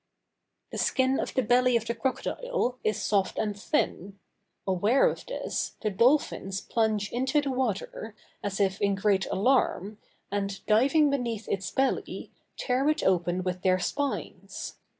The skin of the belly of the crocodile is soft and thin; aware of this, the dolphins plunge into the water, as if in great alarm, and diving beneath its belly, tear it open with their spines.